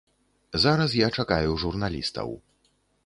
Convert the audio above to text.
Зараз я чакаю журналістаў.